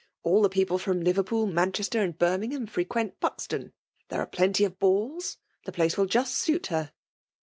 All the people &om LiyerpooL Manchester, and Birmiughain, frequent Buz » ton : there are plenty of balls ^the place vitt jiist suit her.'